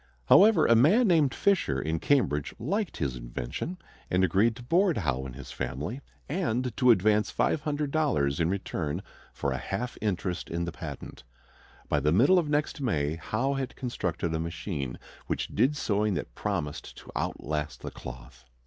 However, a man named Fisher in Cambridge liked his invention, and agreed to board Howe and his family and to advance $500 in return for a half interest in the patent. By the middle of next May, Howe had constructed a machine which did sewing that promised to outlast the cloth.